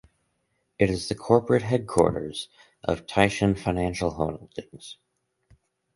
It is the corporate headquarters of Taishin Financial Holdings.